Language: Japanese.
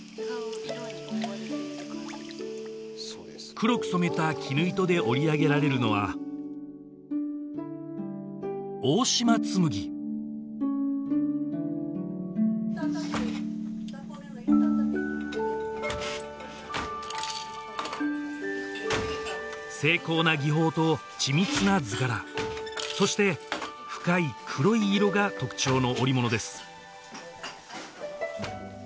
黒く染めた絹糸で織り上げられるのは精巧な技法と緻密な図柄そして深い黒い色が特徴の織物です